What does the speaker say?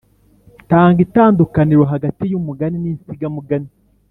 Tanga itandukaniro hagati y’umugani n’insigamugani